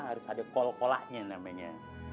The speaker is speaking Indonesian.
harus ada kol kolanya namanya